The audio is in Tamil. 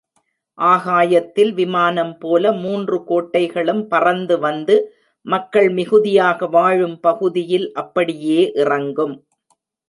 ஆகாயத்தில் விமானம் போல மூன்று கோட்டைகளும் பறந்து வந்து மக்கள் மிகுதியாக வாழும் பகுதியில் அப்படியே இறங்கும்.